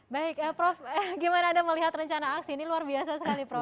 baik prof gimana anda melihat rencana aksi ini luar biasa sekali prof